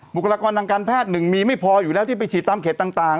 บุคลากรทางการแพทย์หนึ่งมีไม่พออยู่แล้วที่ไปฉีดตามเขตต่าง